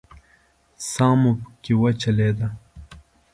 ساه مو پکې وچلېده.